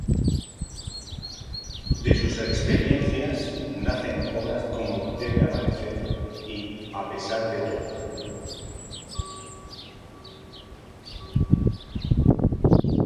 De sus experiencias, nacen obras como Debe amanecer y A pesar de todo.